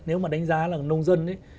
nếu mà đánh giá là nông dân ấy